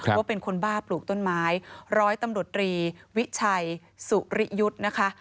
ว่าเป็นคนบ้าปลูกต้นไม้ร้อยตำรวจรีวิชัยสุริยุทธ์นะคะ